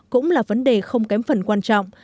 cũng là vấn đề không kém phần quan trọng